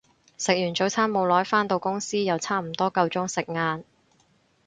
食完早餐冇耐，返到公司又差唔多夠鐘食晏